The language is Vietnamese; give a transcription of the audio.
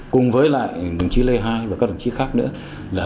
cùng với lại đồng chí lê hai và các đồng chí khác nữa